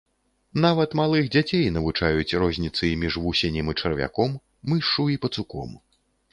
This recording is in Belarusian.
Нават малых дзяцей навучаюць розніцы між вусенем і чарвяком, мышшу і пацуком.